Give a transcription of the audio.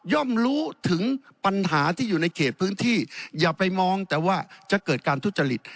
รู้ถึงปัญหาที่อยู่ในเขตพื้นที่อย่าไปมองแต่ว่าจะเกิดการทุจริต